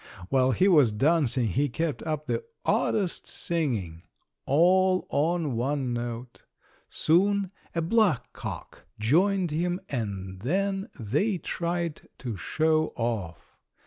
While he was dancing he kept up the oddest singing all on one note. Soon a black cock joined him and then they tried to show off.